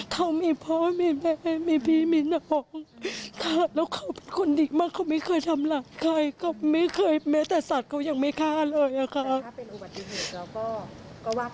เขามีพ่อมีแม่มีพี่มีน้องแล้วเขาเป็นคนดีมากเค้าไม่เคยทำลายใครแต่สัตว์เค้าไม่ตายเลยค่ะ